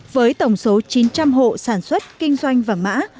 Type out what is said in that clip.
với tổng số chín trăm linh hộ sản xuất kinh doanh vàng mã